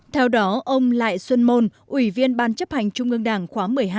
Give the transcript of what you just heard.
theo đó ông lại xuân môn ủy viên ban chấp hành trung ương đảng khóa một mươi hai